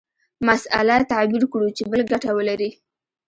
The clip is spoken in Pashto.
مسأله تعبیر کړو چې بل ګټه ولري.